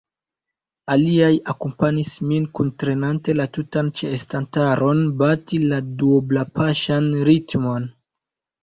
Aliaj akompanis min, kuntrenante la tutan ĉeestantaron bati la duoblapaŝan ritmon.